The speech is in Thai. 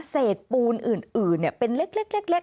เศษปูนอื่นเป็นเล็ก